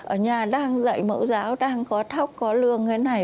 ở nhà đang dạy mẫu giáo đang có thóc có lương thế này